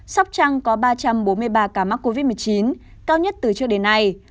sóc trăng có ba trăm bốn mươi ba ca mắc covid một mươi chín cao nhất từ trước đến nay